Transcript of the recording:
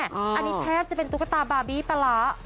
อันนี้แทบจะเป็นตุ๊กตาบาร์บี้ปลาร้า